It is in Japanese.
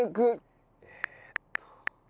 えっと。